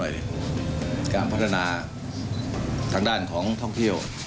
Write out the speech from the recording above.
ที่แรกกล้ากล้ากลัากลัวกลัวที่เห็นลุงตูในทีวี